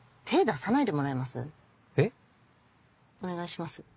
お願いします。